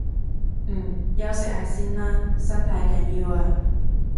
嗯，休息下先啦，身體緊要啊